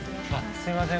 すいません。